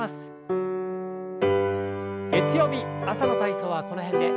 月曜日朝の体操はこの辺で。